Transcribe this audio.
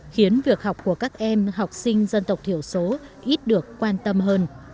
khiến việc học của các em học sinh dân tộc thiểu số ít được quan tâm hơn